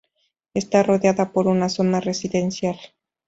Está rodeada por una zona residencial.